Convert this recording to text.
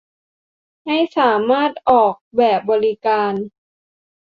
ให้สามารถออกแบบบริการ